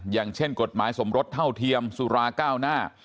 อย่างเช่นกฎหมายสมรสเท่าเทียมสุราเก้าหน้า